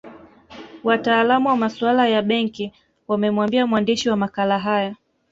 Wataalamu wa masuala ya benki wamemwambia mwandishi wa makala haya